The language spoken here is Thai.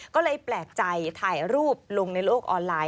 ก็เลยแปลกใจถ่ายรูปลงในโลกออนไลน์